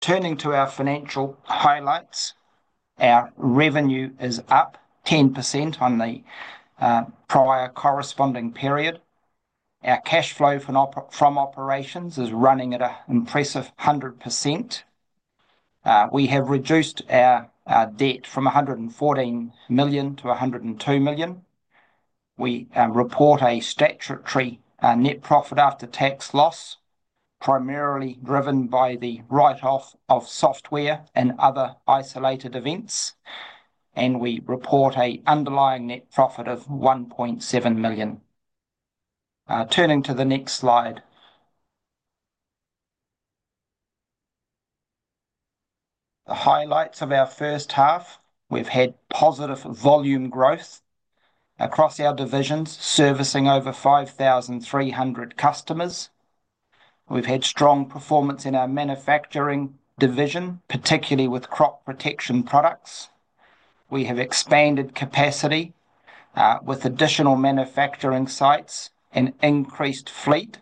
Turning to our financial highlights, our revenue is up 10% on the prior corresponding period. Our cash flow from operations is running at an impressive 100%. We have reduced our debt from 114 million to 102 million. We report a statutory net profit after tax loss, primarily driven by the write-off of software and other isolated events. We report an underlying net profit of 1.7 million. Turning to the next slide. The highlights of our first half: we've had positive volume growth across our divisions, servicing over 5,300 customers. We've had strong performance in our manufacturing division, particularly with crop protection products. We have expanded capacity with additional manufacturing sites and increased fleet: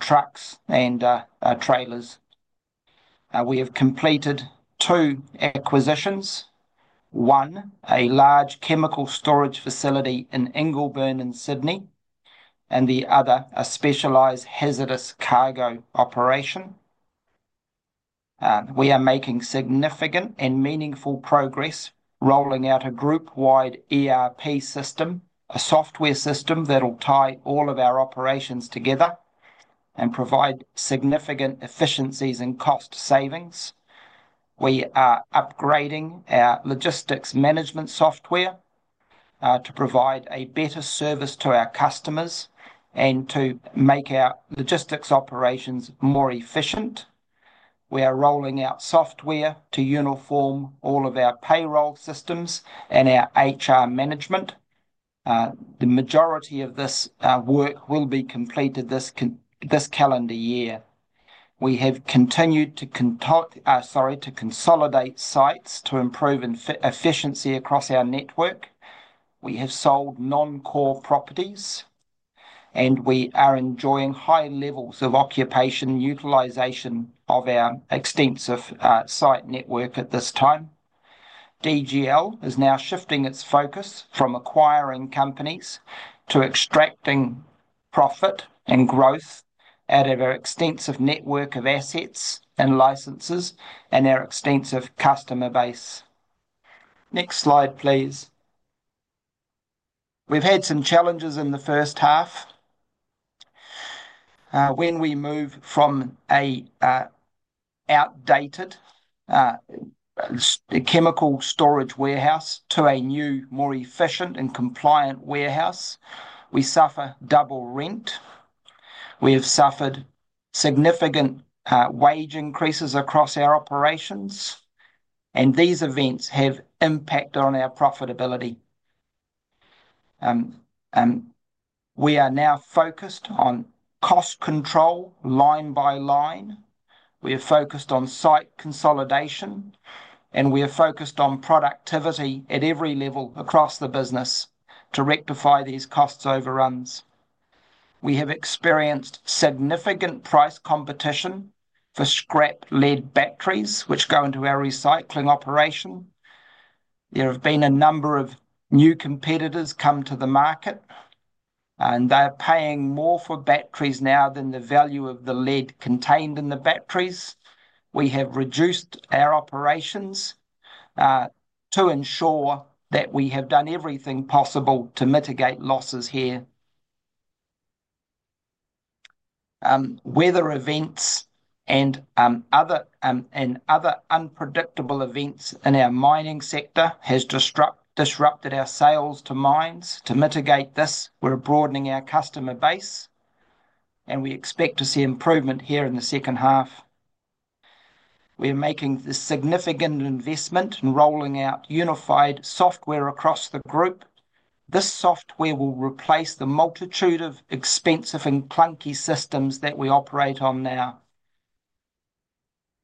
trucks and trailers. We have completed two acquisitions: one, a large chemical storage facility in Ingleburn and Sydney, and the other, a specialised hazardous cargo operation. We are making significant and meaningful progress, rolling out a group-wide ERP system, a software system that will tie all of our operations together and provide significant efficiencies and cost savings. We are upgrading our logistics management software to provide a better service to our customers and to make our logistics operations more efficient. We are rolling out software to uniform all of our payroll systems and our HR management. The majority of this work will be completed this calendar year. We have continued to consolidate sites to improve efficiency across our network. We have sold non-core properties, and we are enjoying high levels of occupation utilisation of our extensive site network at this time. DGL is now shifting its focus from acquiring companies to extracting profit and growth out of our extensive network of assets and licenses and our extensive customer base. Next slide, please. We've had some challenges in the first half. When we move from an outdated chemical storage warehouse to a new, more efficient and compliant warehouse, we suffer double rent. We have suffered significant wage increases across our operations, and these events have impacted on our profitability. We are now focused on cost control line by line. We are focused on site consolidation, and we are focused on productivity at every level across the business to rectify these cost overruns. We have experienced significant price competition for scrap lead batteries, which go into our recycling operation. There have been a number of new competitors come to the market, and they are paying more for batteries now than the value of the lead contained in the batteries. We have reduced our operations to ensure that we have done everything possible to mitigate losses here. Weather events and other unpredictable events in our mining sector have disrupted our sales to mines. To mitigate this, we're broadening our customer base, and we expect to see improvement here in the second half. We are making this significant investment in rolling out unified software across the group. This software will replace the multitude of expensive and clunky systems that we operate on now.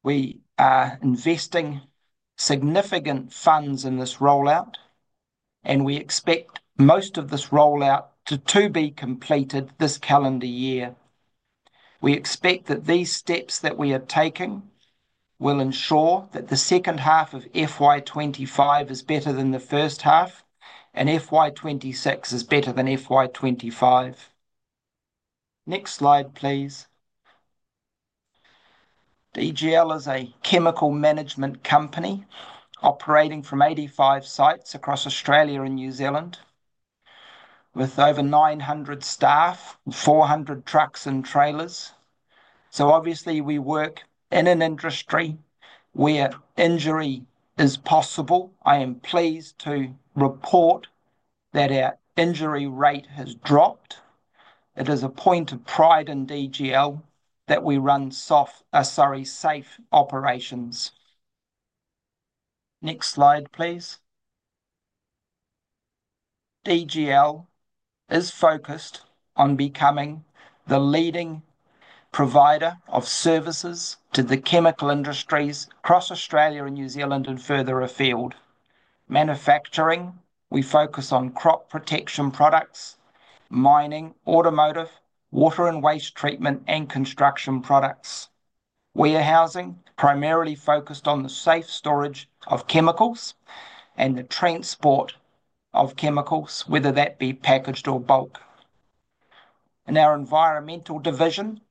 We are investing significant funds in this rollout, and we expect most of this rollout to be completed this calendar year. We expect that these steps that we are taking will ensure that the second half of FY2025 is better than the first half, and FY2026 is better than FY2025. Next slide, please. DGL is a chemical management company operating from 85 sites across Australia and New Zealand, with over 900 staff and 400 trucks and trailers. Obviously, we work in an industry where injury is possible. I am pleased to report that our injury rate has dropped. It is a point of pride in DGL that we run safe operations. Next slide, please. DGL is focused on becoming the leading provider of services to the chemical industries across Australia and New Zealand and further afield. Manufacturing, we focus on crop protection products, mining, automotive, water and waste treatment, and construction products. Warehousing, primarily focused on the safe storage of chemicals and the transport of chemicals, whether that be packaged or bulk. In our environmental division,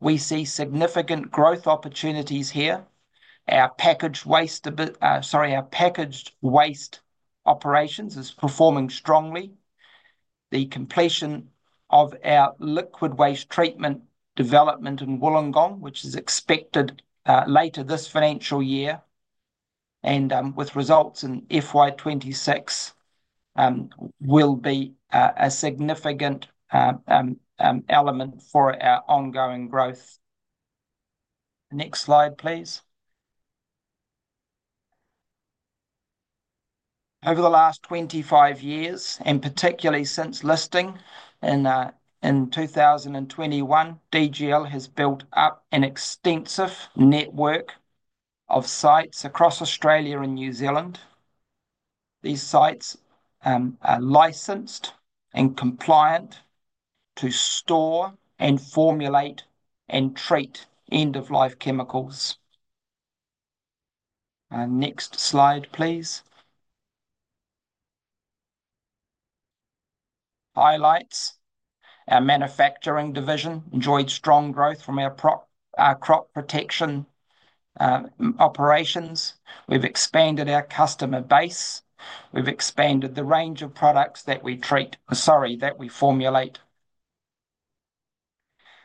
we see significant growth opportunities here. Our packaged waste operations are performing strongly. The completion of our liquid waste treatment development in Wollongong, which is expected later this financial year and with results in 2026, will be a significant element for our ongoing growth. Next slide, please. Over the last 25 years, and particularly since listing in 2021, DGL has built up an extensive network of sites across Australia and New Zealand. These sites are licensed and compliant to store and formulate and treat end-of-life chemicals. Next slide, please. Highlights: our manufacturing division enjoyed strong growth from our crop protection operations. We've expanded our customer base. We've expanded the range of products that we formulate.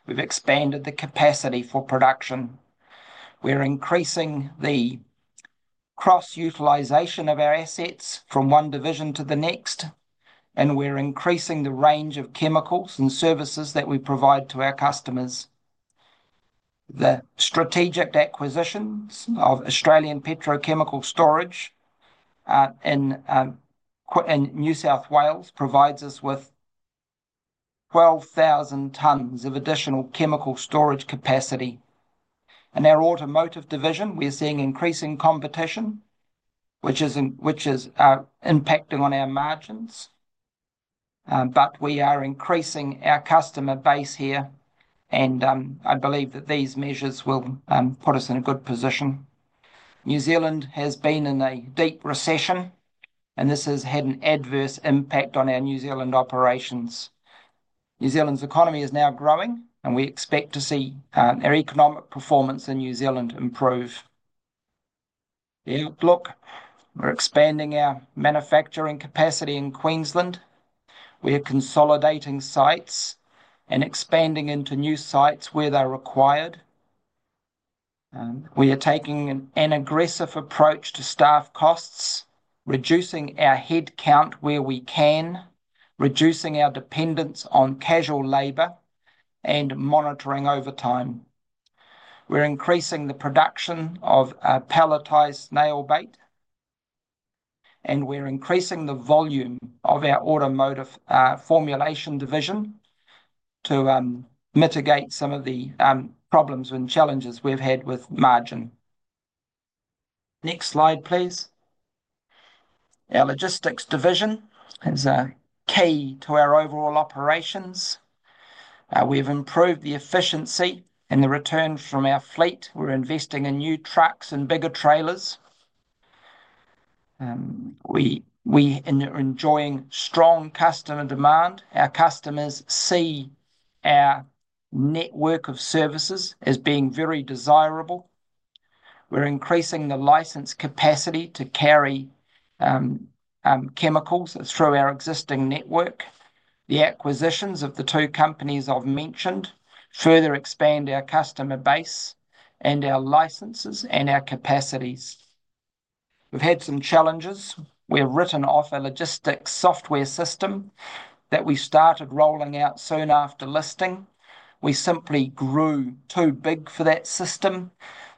We've expanded the capacity for production. We're increasing the cross-utilization of our assets from one division to the next, and we're increasing the range of chemicals and services that we provide to our customers. The strategic acquisitions of Australian Petro Chemical Storage Pty Ltd in New South Wales provide us with 12,000 tons of additional chemical storage capacity. In our automotive division, we're seeing increasing competition, which is impacting on our margins, but we are increasing our customer base here, and I believe that these measures will put us in a good position. New Zealand has been in a deep recession, and this has had an adverse impact on our New Zealand operations. New Zealand's economy is now growing, and we expect to see our economic performance in New Zealand improve. The outlook: we're expanding our manufacturing capacity in Queensland. We are consolidating sites and expanding into new sites where they're required. We are taking an aggressive approach to staff costs, reducing our headcount where we can, reducing our dependence on casual labor, and monitoring overtime. We're increasing the production of palletized snail bait, and we're increasing the volume of our automotive formulation division to mitigate some of the problems and challenges we've had with margin. Next slide, please. Our logistics division is key to our overall operations. We have improved the efficiency and the return from our fleet. We're investing in new trucks and bigger trailers. We are enjoying strong customer demand. Our customers see our network of services as being very desirable. We're increasing the license capacity to carry chemicals through our existing network. The acquisitions of the two companies I've mentioned further expand our customer base and our licenses and our capacities. We've had some challenges. We have written off a logistics software system that we started rolling out soon after listing. We simply grew too big for that system,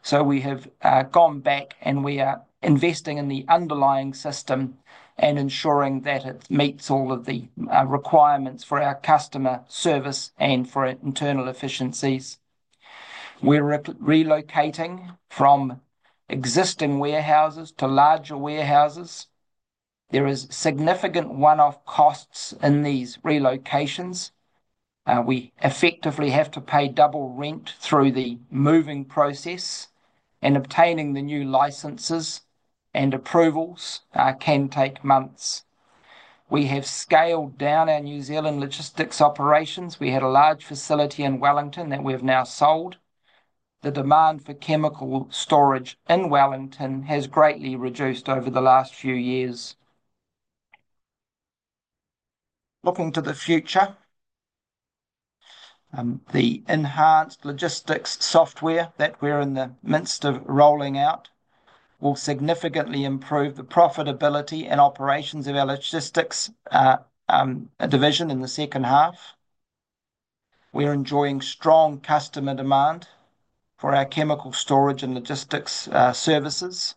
so we have gone back and we are investing in the underlying system and ensuring that it meets all of the requirements for our customer service and for internal efficiencies. We're relocating from existing warehouses to larger warehouses. There are significant one-off costs in these relocations. We effectively have to pay double rent through the moving process, and obtaining the new licenses and approvals can take months. We have scaled down our New Zealand logistics operations. We had a large facility in Wellington that we have now sold. The demand for chemical storage in Wellington has greatly reduced over the last few years. Looking to the future, the enhanced logistics software that we're in the midst of rolling out will significantly improve the profitability and operations of our logistics division in the second half. We're enjoying strong customer demand for our chemical storage and logistics services.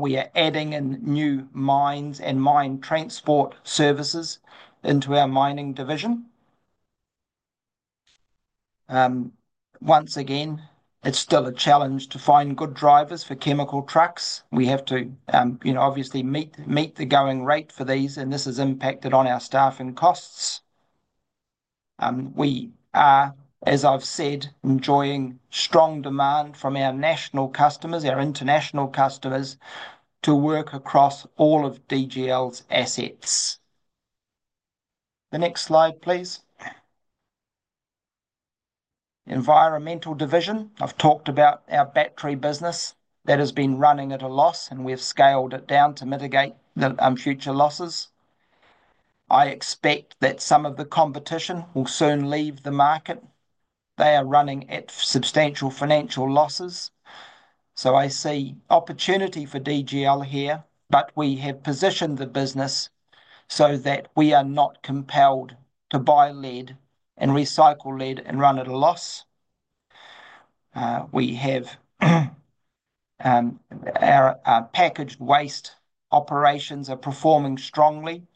We are adding in new mines and mine transport services into our mining division. Once again, it's still a challenge to find good drivers for chemical trucks. We have to obviously meet the going rate for these, and this has impacted on our staff and costs. We are, as I've said, enjoying strong demand from our national customers, our international customers, to work across all of DGL's assets. The next slide, please. Environmental division, I've talked about our battery business that has been running at a loss, and we've scaled it down to mitigate future losses. I expect that some of the competition will soon leave the market. They are running at substantial financial losses, so I see opportunity for DGL here, but we have positioned the business so that we are not compelled to buy lead and recycle lead and run at a loss. Our packaged waste operations are performing strongly,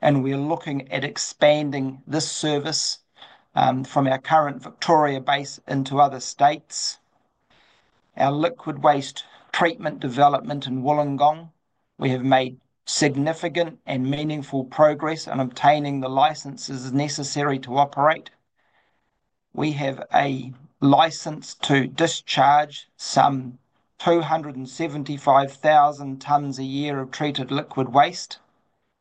and we're looking at expanding this service from our current Victoria base into other states. Our liquid waste treatment development in Wollongong, we have made significant and meaningful progress in obtaining the licenses necessary to operate. We have a license to discharge some 275,000 tons a year of treated liquid waste.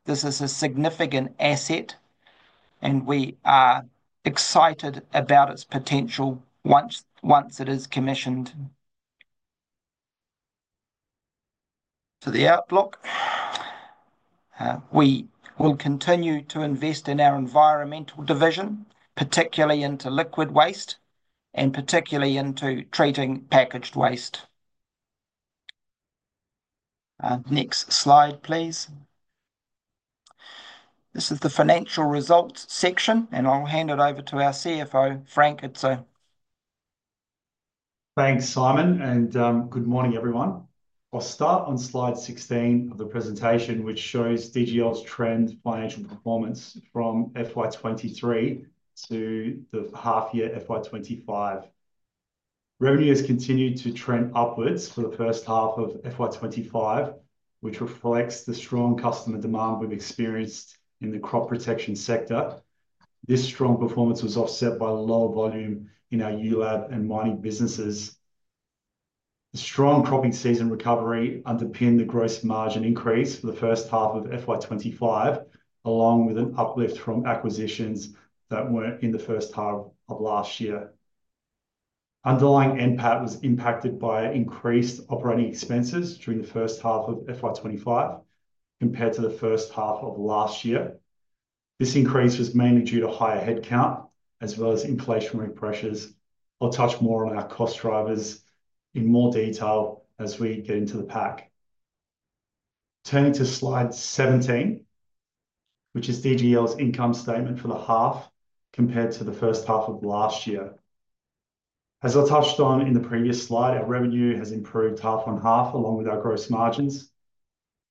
This is a significant asset, and we are excited about its potential once it is commissioned. To the outlook, we will continue to invest in our environmental division, particularly into liquid waste and particularly into treating packaged waste. Next slide, please. This is the financial results section, and I'll hand it over to our CFO, Frank Izzo. Thanks, Simon, and good morning, everyone. I'll start on Slide 16 of the presentation, which shows DGL's trend, financial performance from FY2023 to the half-year FY2025. Revenue has continued to trend upwards for the first half of FY2025, which reflects the strong customer demand we've experienced in the crop protection sector. This strong performance was offset by low volume in our ULAB and mining businesses. The strong cropping season recovery underpinned the gross margin increase for the first half of FY25, along with an uplift from acquisitions that were not in the first half of last year. Underlying NPAT was impacted by increased operating expenses during the first half of FY25 compared to the first half of last year. This increase was mainly due to higher headcount as well as inflationary pressures. I'll touch more on our cost drivers in more detail as we get into the pack. Turning to Slide 17, which is DGL's income statement for the half compared to the first half of last year. As I touched on in the previous slide, our revenue has improved half on half along with our gross margins.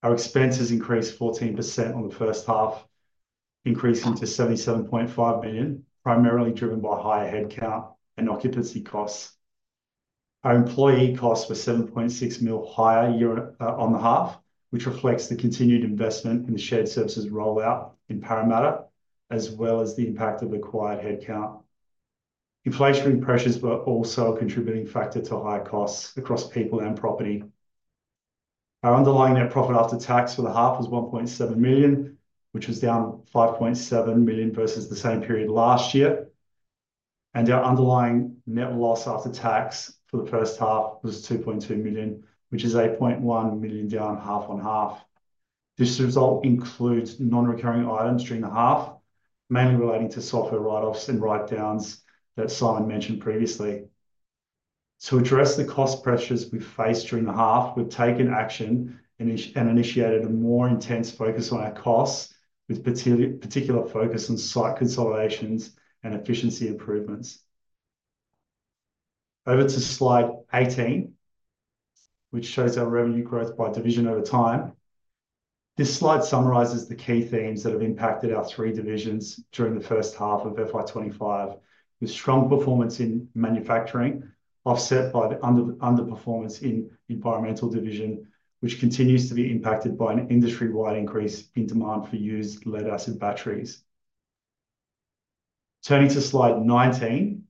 Our expenses increased 14% on the first half, increasing to 77.5 million, primarily driven by higher headcount and occupancy costs. Our employee costs were 7.6 million higher on the half, which reflects the continued investment in the shared services rollout in Parramatta, as well as the impact of acquired headcount. Inflationary pressures were also a contributing factor to high costs across people and property. Our underlying net profit after tax for the half was 1.7 million, which was down 5.7 million versus the same period last year. Our underlying net loss after tax for the first half was 2.2 million, which is 8.1 million down half on half. This result includes non-recurring items during the half, mainly relating to software write-offs and write-downs that Simon mentioned previously. To address the cost pressures we faced during the half, we've taken action and initiated a more intense focus on our costs, with particular focus on site consolidations and efficiency improvements. Over to Slide 18, which shows our revenue growth by division over time. This slide summarizes the key themes that have impacted our three divisions during the first half of FY2025, with strong performance in manufacturing offset by underperformance in the environmental division, which continues to be impacted by an industry-wide increase in demand for used lead-acid batteries. Turning to Slide 19,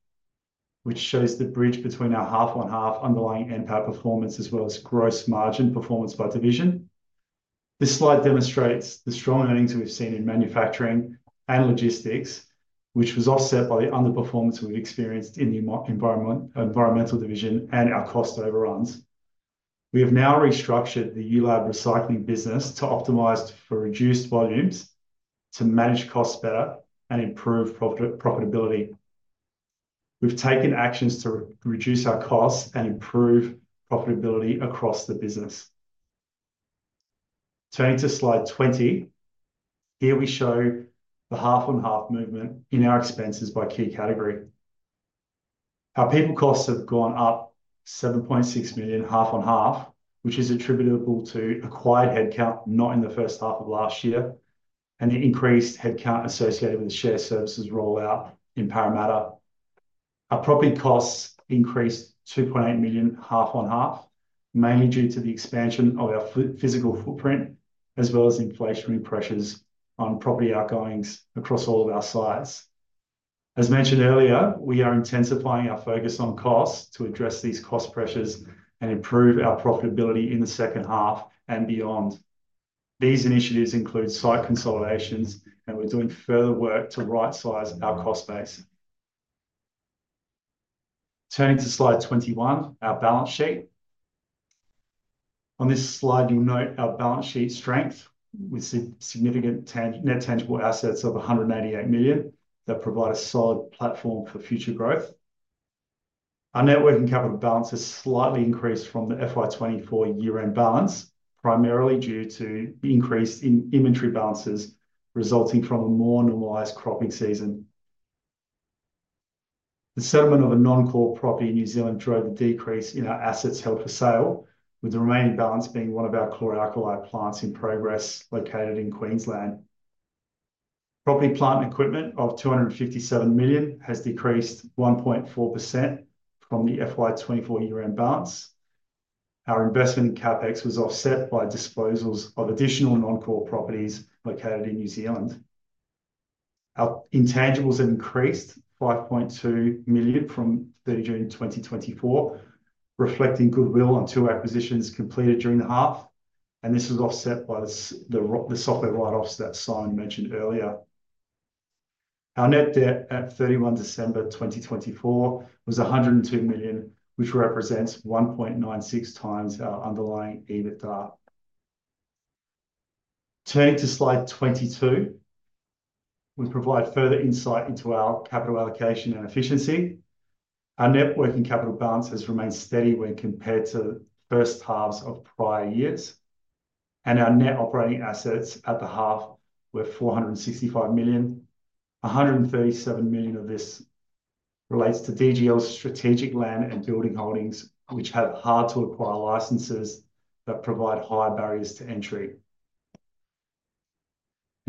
which shows the bridge between our half on half underlying NPAT performance as well as gross margin performance by division. This slide demonstrates the strong earnings we've seen in manufacturing and logistics, which was offset by the underperformance we've experienced in the environmental division and our cost overruns. We have now restructured the ULAB recycling business to optimise for reduced volumes, to manage costs better, and improve profitability. We've taken actions to reduce our costs and improve profitability across the business. Turning to Slide 20, here we show the half on half movement in our expenses by key category. Our people costs have gone up 7.6 million, half on half, which is attributable to acquired headcount not in the first half of last year and the increased headcount associated with the shared services rollout in Parramatta. Our property costs increased 2.8 million, half on half, mainly due to the expansion of our physical footprint as well as inflationary pressures on property outgoings across all of our sites. As mentioned earlier, we are intensifying our focus on costs to address these cost pressures and improve our profitability in the second half and beyond. These initiatives include site consolidations, and we're doing further work to right-size our cost base. Turning to Slide 21, our balance sheet. On this slide, you'll note our balance sheet strength with significant net tangible assets of 188 million that provide a solid platform for future growth. Our net working capital balance has slightly increased from the FY2024 year-end balance, primarily due to the increase in inventory balances resulting from a more normalised cropping season. The settlement of a non-core property in New Zealand drove the decrease in our assets held for sale, with the remaining balance being one of our chlor-alkali plants in progress located in Queensland. Property, plant and equipment of 257 million has decreased 1.4% from the FY2024 year-end balance. Our investment in CapEx was offset by disposals of additional non-core properties located in New Zealand. Our intangibles have increased 5.2 million from 30 June 2024, reflecting goodwill on two acquisitions completed during the half, and this was offset by the software write-offs that Simon mentioned earlier. Our net debt at 31 December 2024 was 102 million, which represents 1.96 times our underlying EBITDA. Turning to Slide 22, we provide further insight into our capital allocation and efficiency. Our net working capital balance has remained steady when compared to the first halves of prior years, and our net operating assets at the half were 465 million. 137 million of this relates to DGL's strategic land and building holdings, which have hard-to-acquire licenses that provide high barriers to entry.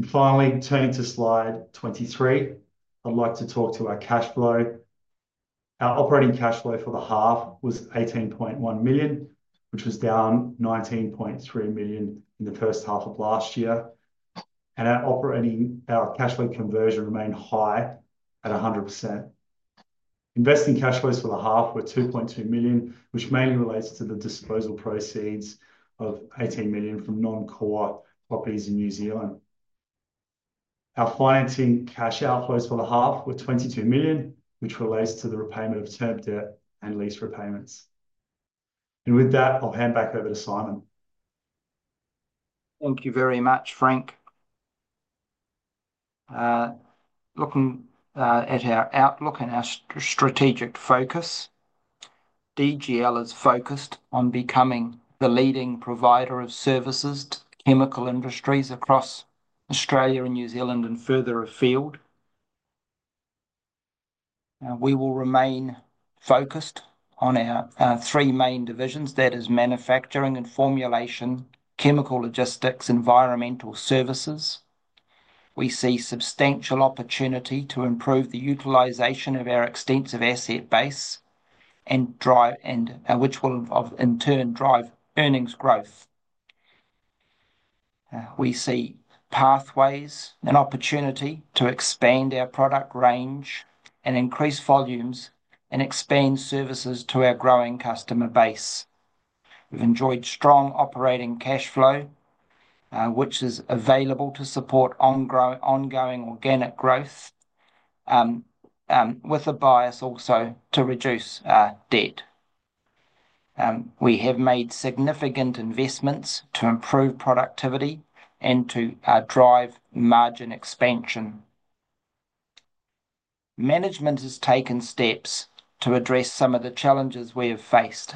Finally, turning to Slide 23, I'd like to talk to our cash flow. Our operating cash flow for the half was 18.1 million, which was down from 19.3 million in the first half of last year, and our operating cash flow conversion remained high at 100%. Investing cash flows for the half were 2.2 million, which mainly relates to the disposal proceeds of 18 million from non-core properties in New Zealand. Our financing cash outflows for the half were 22 million, which relates to the repayment of term debt and lease repayments. With that, I'll hand back over to Simon. Thank you very much, Frank. Looking at our outlook and our strategic focus, DGL is focused on becoming the leading provider of services to chemical industries across Australia and New Zealand and further afield. We will remain focused on our three main divisions, that is manufacturing and formulation, chemical logistics, and environmental services. We see substantial opportunity to improve the utilisation of our extensive asset base, which will in turn drive earnings growth. We see pathways and opportunity to expand our product range and increase volumes and expand services to our growing customer base. We've enjoyed strong operating cash flow, which is available to support ongoing organic growth, with a bias also to reduce debt. We have made significant investments to improve productivity and to drive margin expansion. Management has taken steps to address some of the challenges we have faced.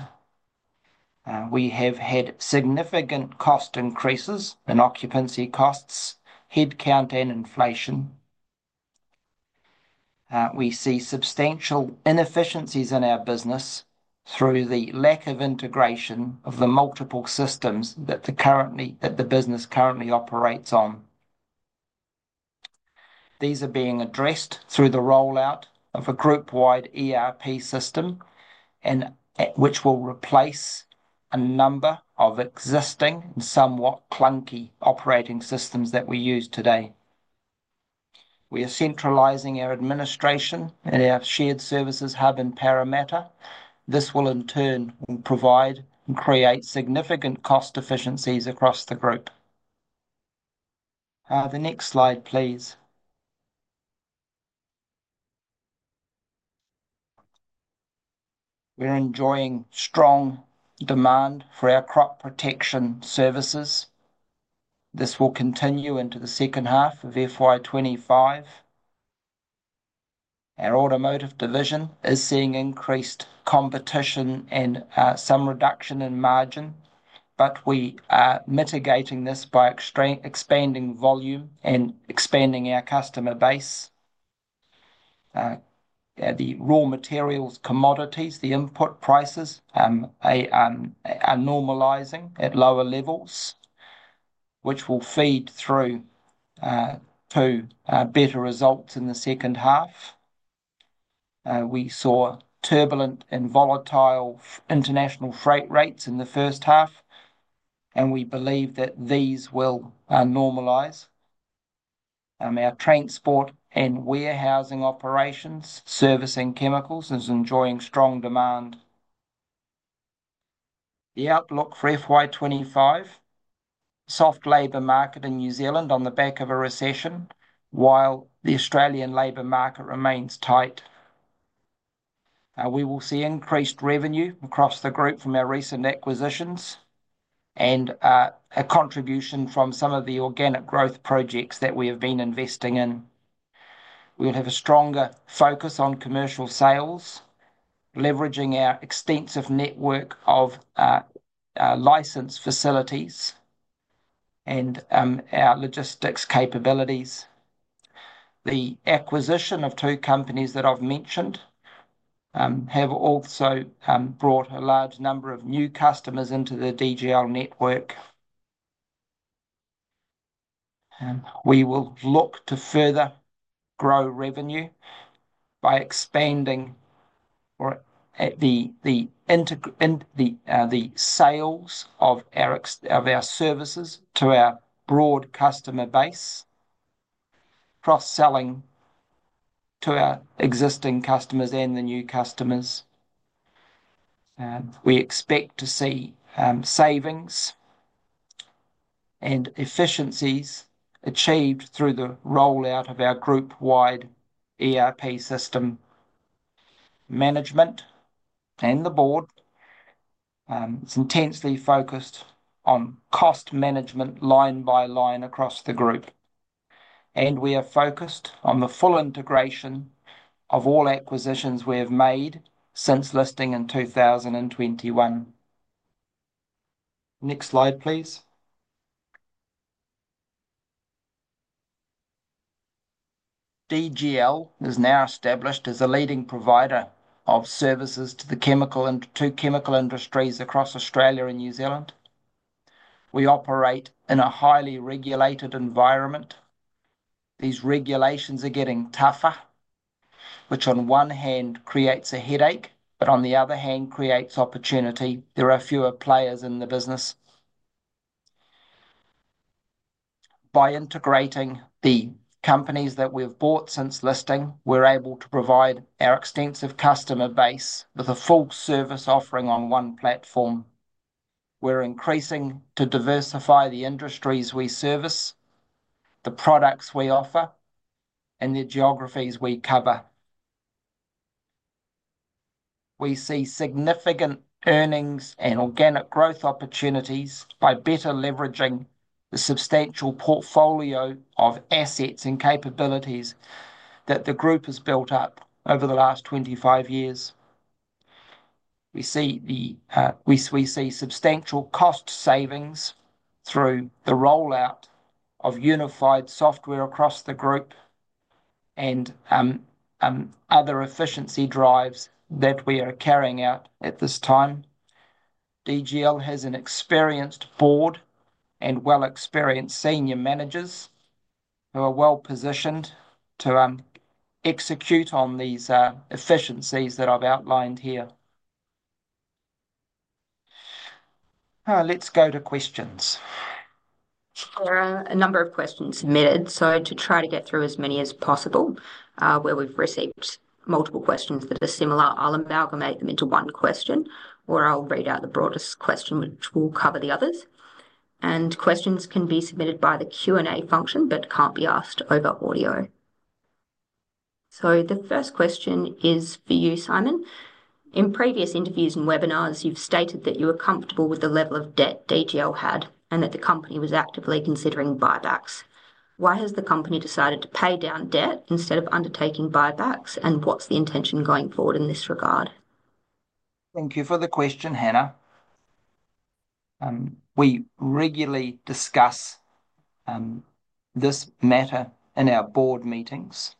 We have had significant cost increases in occupancy costs, headcount, and inflation. We see substantial inefficiencies in our business through the lack of integration of the multiple systems that the business currently operates on. These are being addressed through the rollout of a group-wide ERP system, which will replace a number of existing and somewhat clunky operating systems that we use today. We are centralizing our administration and our shared services hub in Parramatta. This will in turn provide and create significant cost efficiencies across the group. The next slide, please. We're enjoying strong demand for our crop protection services. This will continue into the second half of FY2025. Our automotive division is seeing increased competition and some reduction in margin, but we are mitigating this by expanding volume and expanding our customer base. The raw materials commodities, the input prices are normalizing at lower levels, which will feed through to better results in the second half. We saw turbulent and volatile international freight rates in the first half, and we believe that these will normalize. Our transport and warehousing operations, servicing chemicals, is enjoying strong demand. The outlook for FY2025, soft labor market in New Zealand on the back of a recession, while the Australian labor market remains tight. We will see increased revenue across the group from our recent acquisitions and a contribution from some of the organic growth projects that we have been investing in. We will have a stronger focus on commercial sales, leveraging our extensive network of licensed facilities and our logistics capabilities. The acquisition of two companies that I've mentioned have also brought a large number of new customers into the DGL network. We will look to further grow revenue by expanding the sales of our services to our broad customer base, cross-selling to our existing customers and the new customers. We expect to see savings and efficiencies achieved through the rollout of our group-wide ERP system. Management and the board are intensely focused on cost management line by line across the group, and we are focused on the full integration of all acquisitions we have made since listing in 2021. Next slide, please. DGL is now established as a leading provider of services to the two chemical industries across Australia and New Zealand. We operate in a highly regulated environment. These regulations are getting tougher, which on one hand creates a headache, but on the other hand creates opportunity. There are fewer players in the business. By integrating the companies that we've bought since listing, we're able to provide our extensive customer base with a full service offering on one platform. We're increasing to diversify the industries we service, the products we offer, and the geographies we cover. We see significant earnings and organic growth opportunities by better leveraging the substantial portfolio of assets and capabilities that the group has built up over the last 25 years. We see substantial cost savings through the rollout of unified software across the group and other efficiency drives that we are carrying out at this time. DGL has an experienced board and well-experienced senior managers who are well-positioned to execute on these efficiencies that I've outlined here. Let's go to questions. There are a number of questions submitted, to try to get through as many as possible, where we've received multiple questions that are similar, I'll amalgamate them into one question, or I'll read out the broadest question, which will cover the others. Questions can be submitted by the Q&A function but can't be asked over audio. The first question is for you, Simon. In previous interviews and webinars, you've stated that you were comfortable with the level of debt DGL had and that the company was actively considering buybacks. Why has the company decided to pay down debt instead of undertaking buybacks, and what's the intention going forward in this regard? Thank you for the question, Hannah. We regularly discuss this matter in our board meetings.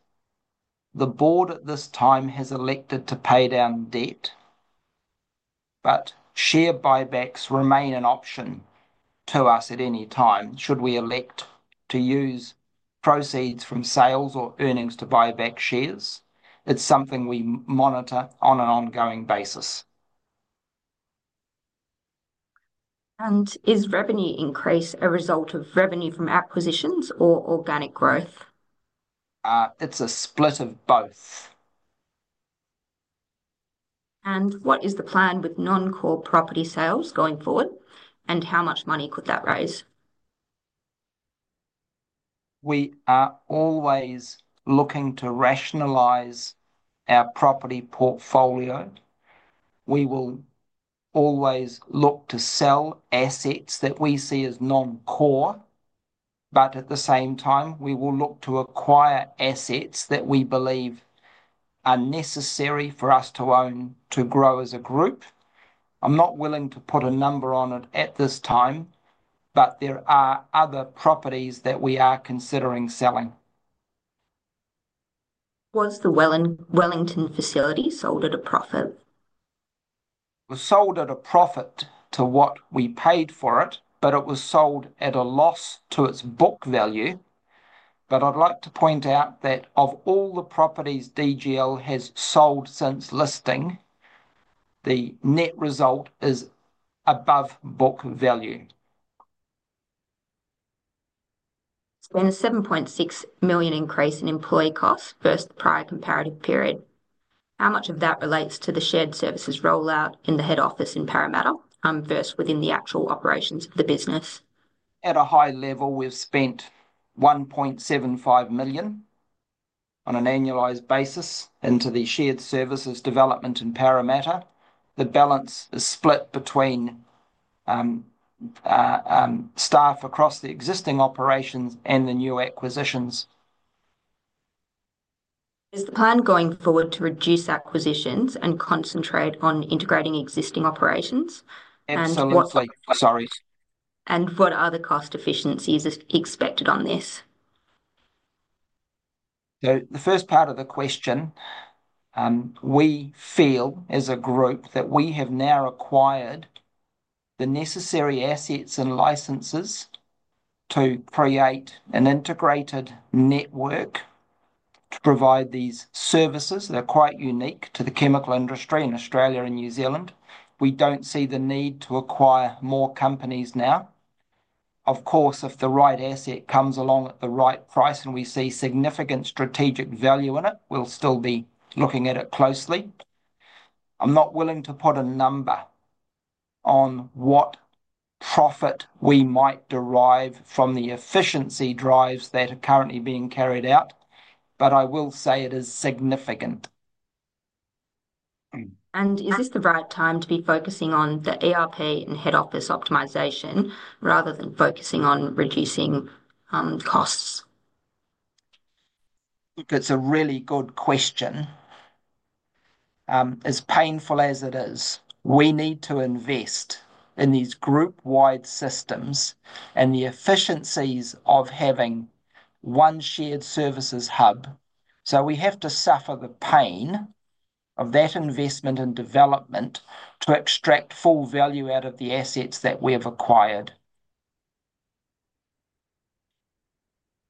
The board at this time has elected to pay down debt, but share buybacks remain an option to us at any time, should we elect to use proceeds from sales or earnings to buy back shares. It is something we monitor on an ongoing basis. Is revenue increase a result of revenue from acquisitions or organic growth? It is a split of both. What is the plan with non-core property sales going forward, and how much money could that raise? We are always looking to rationalize our property portfolio. We will always look to sell assets that we see as non-core, but at the same time, we will look to acquire assets that we believe are necessary for us to own to grow as a group. I'm not willing to put a number on it at this time, but there are other properties that we are considering selling. Was the Wellington facility sold at a profit? It was sold at a profit to what we paid for it, but it was sold at a loss to its book value. I'd like to point out that of all the properties DGL has sold since listing, the net result is above book value. There's been a 7.6 million increase in employee costs versus the prior comparative period. How much of that relates to the shared services rollout in the head office in Parramatta versus within the actual operations of the business? At a high level, we've spent 1.75 million on an annualized basis into the shared services development in Parramatta. The balance is split between staff across the existing operations and the new acquisitions. Is the plan going forward to reduce acquisitions and concentrate on integrating existing operations? Absolutely. Sorry. What other cost efficiencies are expected on this? The first part of the question, we feel as a group that we have now acquired the necessary assets and licenses to create an integrated network to provide these services that are quite unique to the chemical industry in Australia and New Zealand. We do not see the need to acquire more companies now. Of course, if the right asset comes along at the right price and we see significant strategic value in it, we will still be looking at it closely. I am not willing to put a number on what profit we might derive from the efficiency drives that are currently being carried out, but I will say it is significant. Is this the right time to be focusing on the ERP and head office optimisation rather than focusing on reducing costs? Look, it's a really good question. As painful as it is, we need to invest in these group-wide systems and the efficiencies of having one shared services hub. We have to suffer the pain of that investment and development to extract full value out of the assets that we have acquired.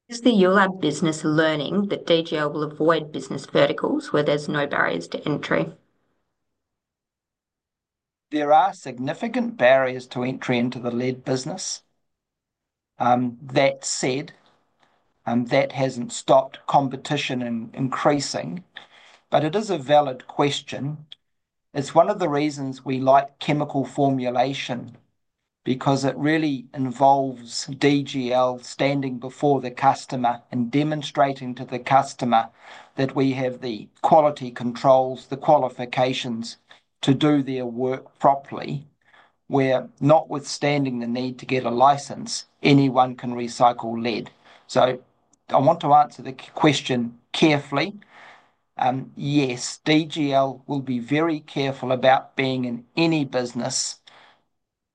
Is the ULAB business learning that DGL will avoid business verticals where there's no barriers to entry? There are significant barriers to entry into the lead business. That said, that hasn't stopped competition and increasing, but it is a valid question. It's one of the reasons we like chemical formulation because it really involves DGL standing before the customer and demonstrating to the customer that we have the quality controls, the qualifications to do their work properly, where notwithstanding the need to get a license, anyone can recycle lead. I want to answer the question carefully. Yes, DGL will be very careful about being in any business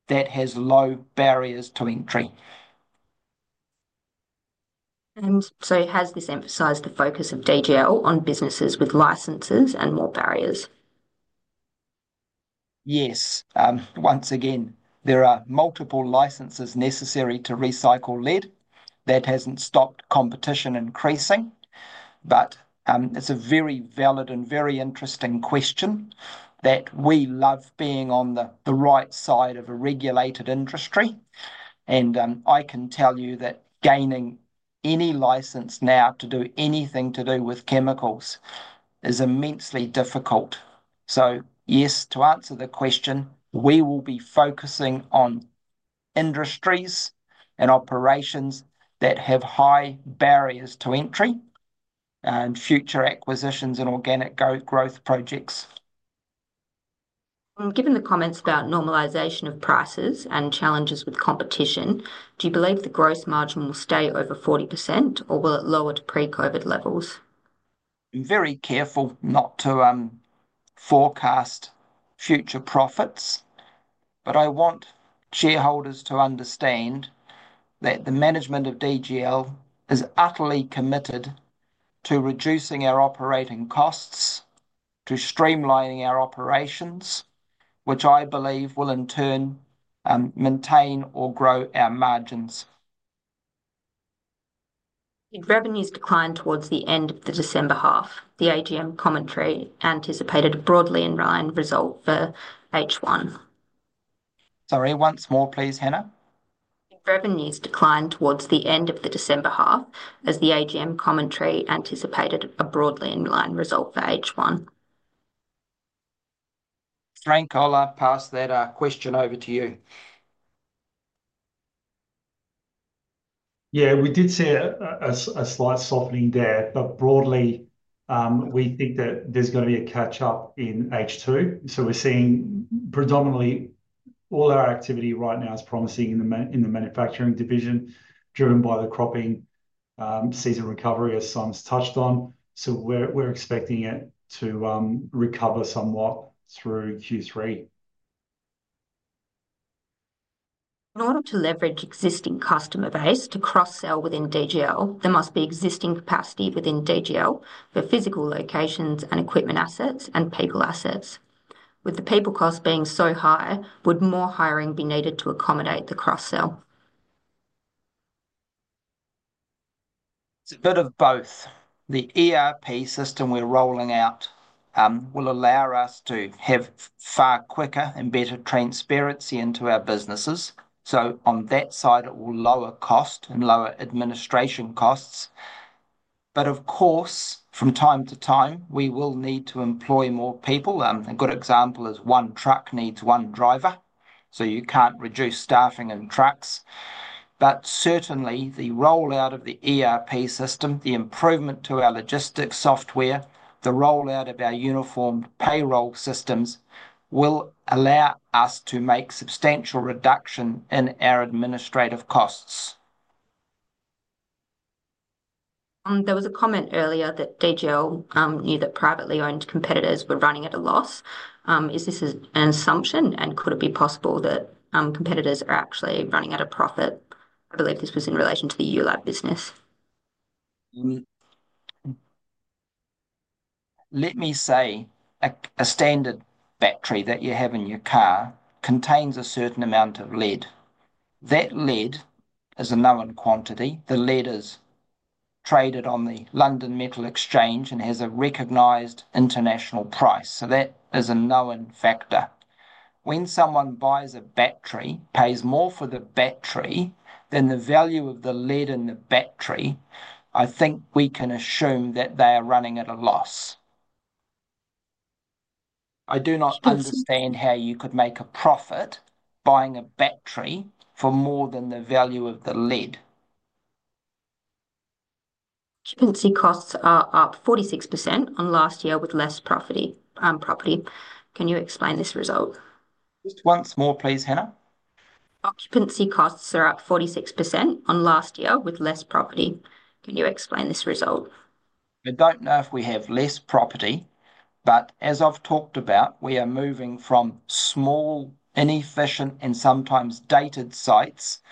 that has low barriers to entry. Has this emphasized the focus of DGL on businesses with licenses and more barriers? Yes. Once again, there are multiple licenses necessary to recycle lead. That has not stopped competition increasing, but it is a very valid and very interesting question that we love being on the right side of a regulated industry. I can tell you that gaining any license now to do anything to do with chemicals is immensely difficult. Yes, to answer the question, we will be focusing on industries and operations that have high barriers to entry and future acquisitions and organic growth projects. Given the comments about normalisation of prices and challenges with competition, do you believe the gross margin will stay over 40%, or will it lower to pre-COVID levels? I'm very careful not to forecast future profits, but I want shareholders to understand that the management of DGL is utterly committed to reducing our operating costs, to streamlining our operations, which I believe will in turn maintain or grow our margins. Did revenues decline towards the end of the December half? The AGM commentary anticipated a broadly in line result for H1. Sorry, once more, please, Hannah. Did revenues decline towards the end of the December half as the AGM commentary anticipated a broadly in line result for H1? Frank Izzo, past that, I'll pass that question over to you. Yeah, we did see a slight softening there, but broadly, we think that there's going to be a catch-up in H2. We're seeing predominantly all our activity right now is promising in the manufacturing division, driven by the cropping season recovery, as Simon's touched on. We're expecting it to recover somewhat through Q3. In order to leverage existing customer base to cross-sell within DGL, there must be existing capacity within DGL for physical locations and equipment assets and people assets. With the people costs being so high, would more hiring be needed to accommodate the cross-sell? It's a bit of both. The ERP system we're rolling out will allow us to have far quicker and better transparency into our businesses. On that side, it will lower costs and lower administration costs. Of course, from time to time, we will need to employ more people. A good example is one truck needs one driver, so you can't reduce staffing and trucks. Certainly, the rollout of the ERP system, the improvement to our logistics software, the rollout of our uniform payroll systems will allow us to make substantial reduction in our administrative costs. There was a comment earlier that DGL knew that privately owned competitors were running at a loss. Is this an assumption, and could it be possible that competitors are actually running at a profit? I believe this was in relation to the ULAB business. Let me say a standard battery that you have in your car contains a certain amount of lead. That lead is a known quantity. The lead is traded on the London Metal Exchange and has a recognized international price. That is a known factor. When someone buys a battery, pays more for the battery than the value of the lead in the battery, I think we can assume that they are running at a loss. I do not understand how you could make a profit buying a battery for more than the value of the lead. Occupancy costs are up 46% on last year with less property. Can you explain this result? Just once more, please, Hannah. Occupancy costs are up 46% on last year with less property. Can you explain this result? I don't know if we have less property, but as I've talked about, we are moving from small, inefficient, and sometimes dated sites to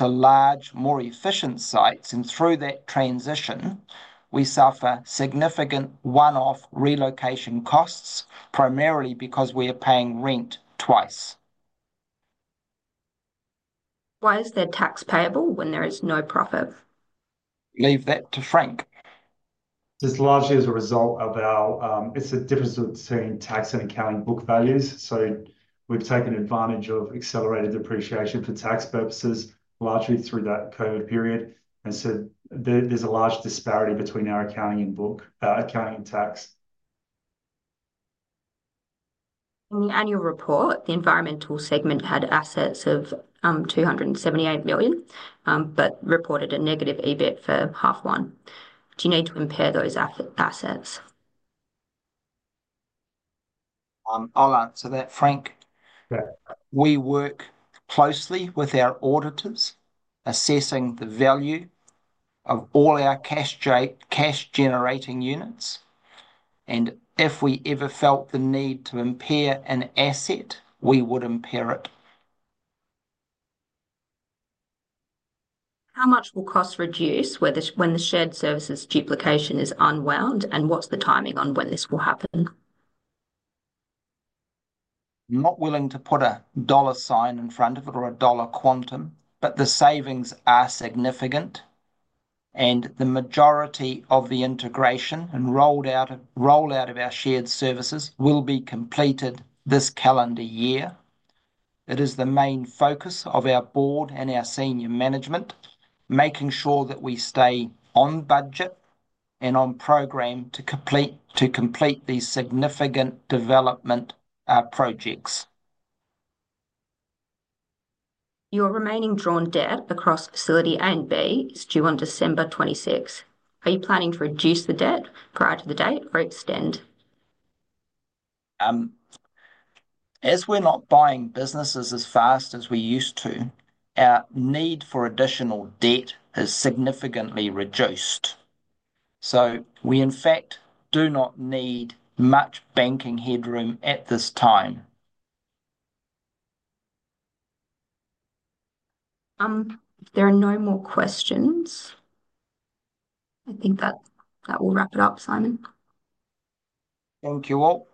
large, more efficient sites. Through that transition, we suffer significant one-off relocation costs, primarily because we are paying rent twice. Why is that tax payable when there is no profit? Leave that to Frank. It's largely as a result of our—it's a difference between tax and accounting book values. We've taken advantage of accelerated depreciation for tax purposes, largely through that COVID period. There is a large disparity between our accounting and tax In the annual report. The environmental segment had assets of 278 million, but reported a negative EBIT for half one. Do you need to impair those assets? I'll answer that, Frank. We work closely with our auditors, assessing the value of all our cash-generating units. If we ever felt the need to impair an asset, we would impair it. How much will costs reduce when the shared services duplication is unwound, and what's the timing on when this will happen? I'm not willing to put a dollar sign in front of it or a dollar quantum, but the savings are significant, and the majority of the integration and rollout of our shared services will be completed this calendar year. It is the main focus of our board and our senior management, making sure that we stay on budget and on program to complete these significant development projects. Your remaining drawn debt across Facility A and B is due on December 26. Are you planning to reduce the debt prior to the date or extend? As we're not buying businesses as fast as we used to, our need for additional debt has significantly reduced. We, in fact, do not need much banking headroom at this time. There are no more questions. I think that will wrap it up, Simon. Thank you all.